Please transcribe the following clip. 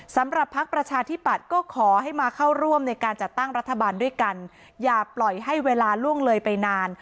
พักประชาธิปัตย์ก็ขอให้มาเข้าร่วมในการจัดตั้งรัฐบาลด้วยกันอย่าปล่อยให้เวลาล่วงเลยไปนาน